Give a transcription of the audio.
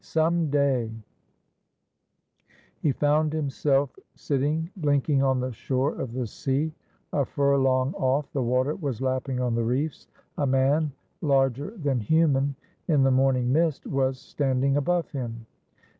Some day — He found himself sitting blinking on the shore of the sea. A furlong off, the water was lapping on the reefs. A man, larger than human in the morning mist, was standing above him.